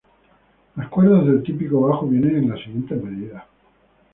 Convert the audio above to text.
Las cuerdas del típico bajo vienen en las siguientes medidas.